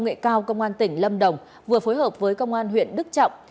nghệ cao công an tỉnh lâm đồng vừa phối hợp với công an huyện đức trọng